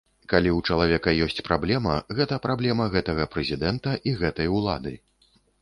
Калі ў чалавека ёсць праблема, гэта праблема гэтага прэзідэнта і гэтай улады.